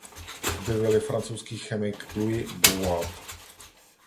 Objevil ji francouzský chemik Louis Bouveault.